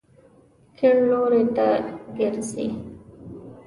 کیڼ لوري ته ګرځئ